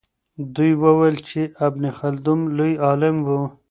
دوی وویل چې ابن خلدون لوی عالم و.